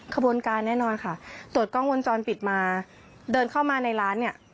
ขบวนการแน่นอนค่ะตรวจกล้องวงจรปิดมาเดินเข้ามาในร้านเนี่ย